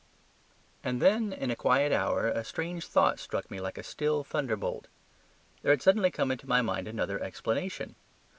And then in a quiet hour a strange thought struck me like a still thunderbolt. There had suddenly come into my mind another explanation.